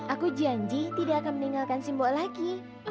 aku janji tidak akan meninggalkan simbok lagi